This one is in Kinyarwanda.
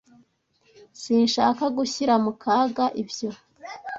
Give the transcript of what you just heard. Sinshaka gushyira mu kaga ibyo